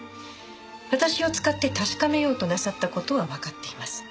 私を使って確かめようとなさった事はわかっています。